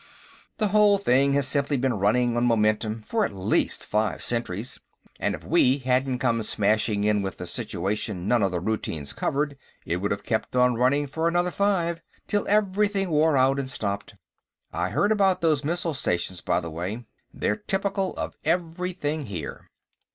The whole thing has simply been running on momentum for at least five centuries, and if we hadn't come smashing in with a situation none of the routines covered, it would have kept on running for another five, till everything wore out and stopped. I heard about those missile stations, by the way. They're typical of everything here."